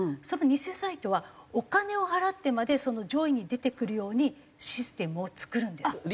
その偽サイトはお金を払ってまで上位に出てくるようにシステムを作るんです。